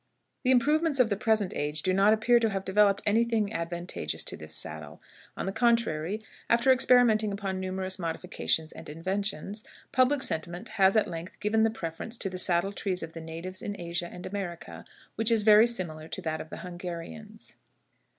The improvements of the present age do not appear to have developed any thing advantageous to the saddle; on the contrary, after experimenting upon numerous modifications and inventions, public sentiment has at length given the preference to the saddle tree of the natives in Asia and America, which is very similar to that of the Hungarians.